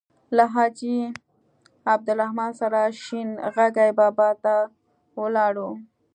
له حاجي عبدالرحیم سره شین غزي بابا ته ولاړو.